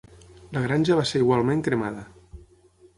La granja va ser igualment cremada.